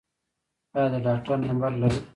ایا د ډاکټر نمبر لرئ؟